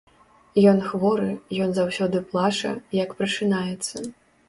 Ён хворы, ён заўсёды плача, як прачынаецца.